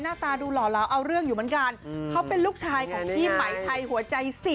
ตาดูหล่อเหลาเอาเรื่องอยู่เหมือนกันเขาเป็นลูกชายของพี่ไหมไทยหัวใจสิ